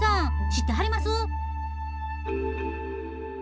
知ってはります？